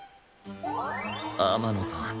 天野さん